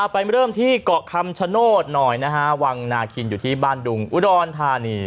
ไปเริ่มที่เกาะคำชโนธหน่อยนะฮะวังนาคินอยู่ที่บ้านดุงอุดรธานี